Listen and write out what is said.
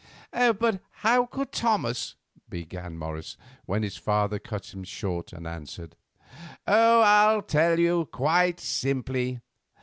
"But how could Thomas——" began Morris, when his father cut him short and answered: "Oh, I'll tell you, quite simply.